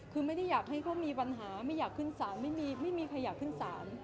คือไม่ได้อยากให้เขามีปัญหาไม่อยากขึ้นศาลไม่มีใครอยากขึ้นศาล